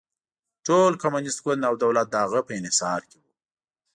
ټول کمونېست ګوند او دولت د هغه په انحصار کې و.